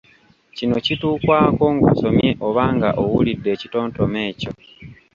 Kino kituukwako ng’osomye oba nga owulidde ekitontome ekyo.